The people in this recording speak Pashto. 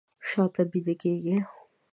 شاته بیده کیږي